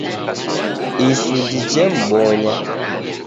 Isu jichemmbonya